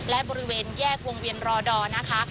และบริเวณแยกวงเวียนรอดอร์นะคะ